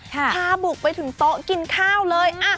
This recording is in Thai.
พาบุกไปถึงโต๊ะกินข้าวเลย